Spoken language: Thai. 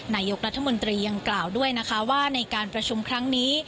นายกรัฐมนตรียังกล่าวด้วยนะคะว่าในการประชุมครั้งนี้